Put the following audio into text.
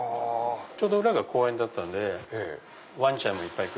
ちょうど裏が公園だったんでワンちゃんもいっぱい来るし。